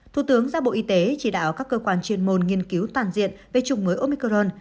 thủ tướng ra bộ y tế chỉ đạo các cơ quan chuyên môn nghiên cứu toàn diện về chủng mới omicron